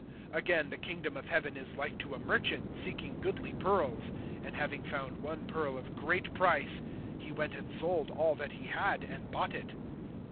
(45)Again, the kingdom of heaven is like to a merchant seeking goodly pearls; (46)and having found one pearl of great price, he went and sold all that he had, and bought it.